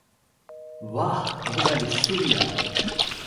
wa! ona li suli a!